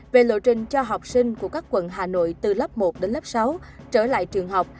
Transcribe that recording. về lộ trình cho học sinh của các quận hà nội từ lớp một đến lớp sáu trở lại trường học